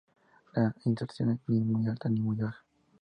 De inserción ni muy alta ni muy baja.